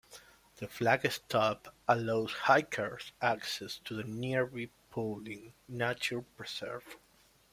The flag stop allows hikers access to the nearby Pawling Nature Preserve.